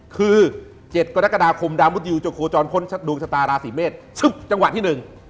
คือ๗กรกฎาคมดามฤตยุโจโคจรพลดวงชะตาราศีเมษชุบจังหวะที่๑